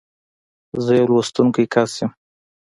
زه يو لوستونکی کس یم.